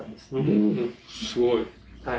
すごい。